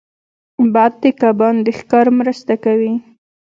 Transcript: باد د کبان د ښکار مرسته کوي